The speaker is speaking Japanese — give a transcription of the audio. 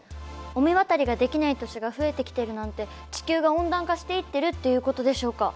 御神渡りができない年が増えてきているなんて地球が温暖化していってるっていうことでしょうか？